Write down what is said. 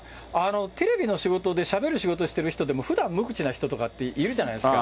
テレビの仕事で、しゃべる仕事している人でもふだん、無口な人とかっているじゃないですか。